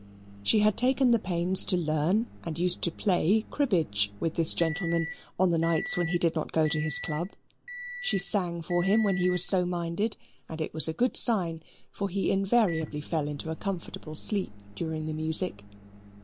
She had taken the pains to learn, and used to play cribbage with this gentleman on the nights when he did not go to his club. She sang for him when he was so minded, and it was a good sign, for he invariably fell into a comfortable sleep during the music.